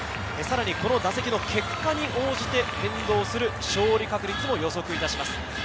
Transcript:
さらにこの打席の結果に応じて変動する勝利確率も予測いたします。